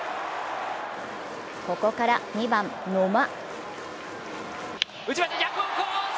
ここから２番・野間。